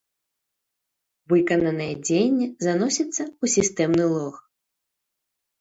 Выкананае дзеянне заносіцца ў сістэмны лог.